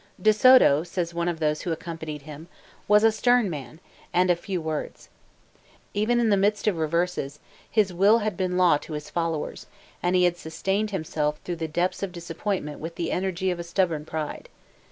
De Soto, says one of those who accompanied him, was a "stern man, and of few words." Even in the midst of reverses, his will had been law to his followers, and he had sustained himself through the depths of disappointment with the energy of a stubborn pride.